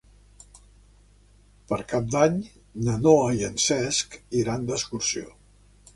Per Cap d'Any na Noa i en Cesc iran d'excursió.